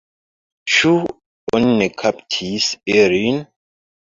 Ĉu oni ne kaptis ilin?